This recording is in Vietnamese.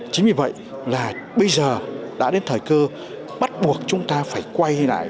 chính vì vậy là bây giờ đã đến thời cơ bắt buộc chúng ta phải quay lại